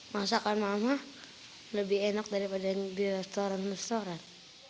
masakan mama lebih enak daripada yang di restoran restoran